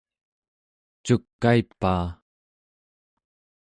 cukaipaa!